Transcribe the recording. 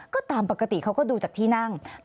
ก็ตามปกติเขาก็ดูจากที่นั่ง